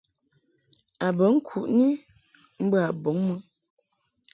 A bə ŋkuʼni mbə a bɔŋ mɨ.